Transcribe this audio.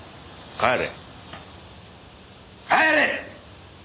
帰れ！